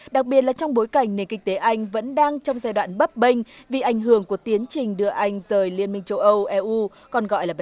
đặc biệt là trong bối cảnh nền kinh tế anh vẫn đang trong giai đoạn bấp bênh vì ảnh hưởng của tiến trình đưa anh rời liên minh châu âu eu còn gọi là brex